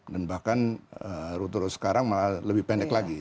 dan bahkan rute rute sekarang malah lebih pendek lagi